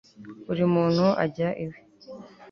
buri muntu ajya iwe